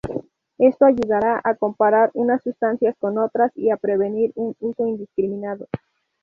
Esto ayudara a comparar unas sustancias con otras y a prevenir un uso indiscriminado.